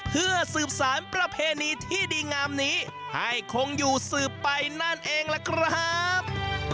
เพื่อสืบสารประเพณีที่ดีงามนี้ให้คงอยู่สืบไปนั่นเองล่ะครับ